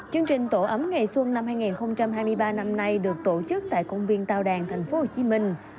chương trình tổ ấm ngày xuân năm hai nghìn hai mươi ba năm nay được tổ chức tại công viên tào đàn tp hcm